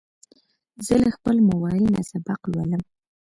زه له خپل موبایل نه سبق لولم.